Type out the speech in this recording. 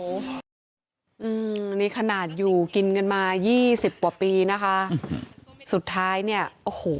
อืมนี่ขนาดอยู่กินกันมายี่สิบกว่าปีนะคะสุดท้ายเนี่ยโอ้โห